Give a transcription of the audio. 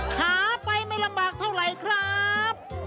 ขาไปไม่ลำบากเท่าไหร่ครับ